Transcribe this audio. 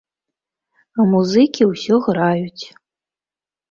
А музыкі ўсё граюць.